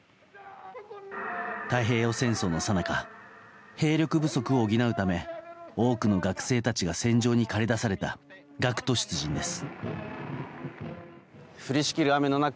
太平洋戦争のさなか兵力不足を補うため多くの学生たちが戦場に駆り出された学徒出陣です。